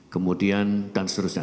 kemudian dan seterusnya